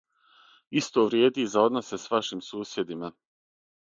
Исто вриједи и за односе с вашим сусједима.